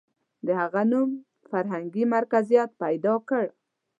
• د هغه نوم فرهنګي مرکزیت پیدا کړ.